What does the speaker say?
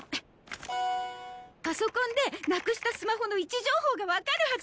パソコンでなくしたスマホの位置情報がわかるはず！